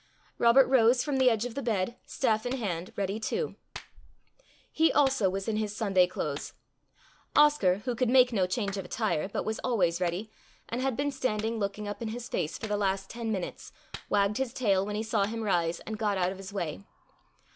Robert rose from the edge of the bed, staff in hand, ready too. He also was in his Sunday clothes. Oscar, who could make no change of attire, but was always ready, and had been standing looking up in his face for the last ten minutes, wagged his tail when he saw him rise, and got out of his way.